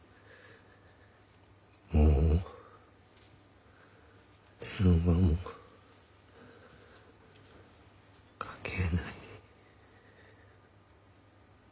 「もう電話もかけない」